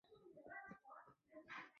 也是喀土穆总教区总主教。